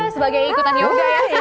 sebagai ikutan yoga ya